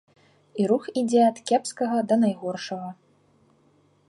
І рух ідзе ад кепскага да найгоршага.